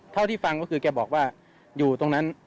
เท่าที่ฟังก็คือแกบอกว่าอยู่ตรงนั้น